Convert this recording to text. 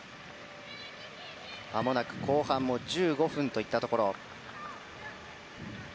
後半も１５分といったところ。